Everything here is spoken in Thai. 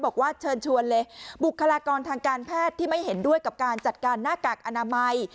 บอกว่าเชิญชวนเลยบุคลากรทางการแพทย์ที่ไม่เห็นด้วยกับการจัดการหน้ากากอนามัย